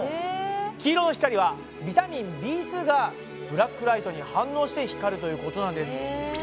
黄色の光はビタミンＢ２がブラックライトに反応して光るということなんです。